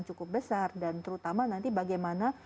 cukup besar dan terutama nanti bagaimana